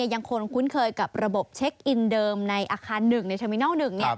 ยังคงคุ้นเคยกับระบบเช็คอินเดิมในอาคาร๑ในเทอร์มินัล๑